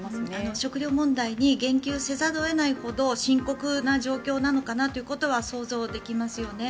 食糧問題に言及せざるを得ないほど深刻な状況なのかなということは想像できますよね。